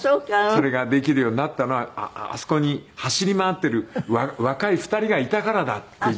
それができるようになったのはあそこに走り回っている若い２人がいたからだっていう。